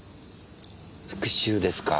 復讐ですか。